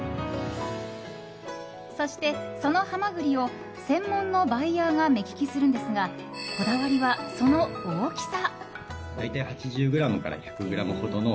そして、そのハマグリを専門のバイヤーが目利きするのですがこだわりは、その大きさ。